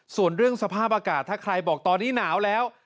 ส่วนเรื่องสภาพอากาศถ้าใครบอกตอนนี้หนาวแล้ว